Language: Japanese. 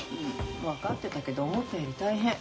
分かってたけど思ったより大変。